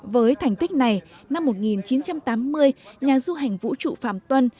với thành tích này năm một nghìn chín trăm tám mươi nhà du hành vũ trụ phạm tuân